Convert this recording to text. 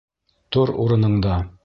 Тор урыныңда!